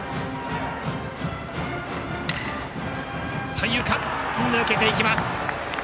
三遊間、抜けていきます。